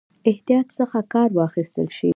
احتیاط څخه کار واخیستل شي.